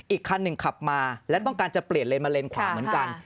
อีกคันหนึ่งขับมาและต้องการจะเปลี่ยนเลนมาเลนขวาเหมือนกัน